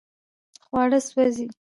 خواړه سوځي